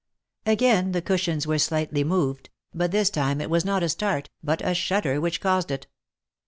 Again the cushions were slightly moved, but this time it was not a start, but a shudder which caused it.